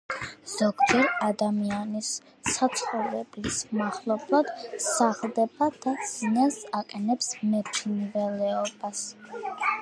ზოგჯერ ადამიანის საცხოვრებლის მახლობლად სახლდება და ზიანს აყენებს მეფრინველეობას.